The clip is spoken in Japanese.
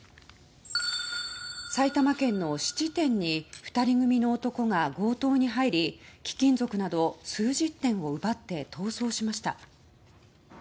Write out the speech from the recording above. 埼玉県の質店に２人組の男が強盗に入り貴金属など数十点を奪って逃走しました。